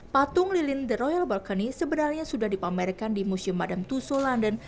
patung lilin the royal balcony sebenarnya sudah dipamerkan di museum madam tuso london